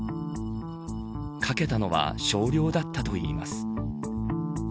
かけたのは少量だったといいます。